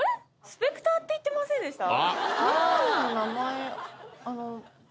スペクターって言ってませんでした？